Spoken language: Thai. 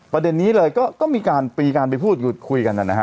ประเด็นนี้เลยก็ต้องมีการตีการไปพูดคุยกันนะฮะ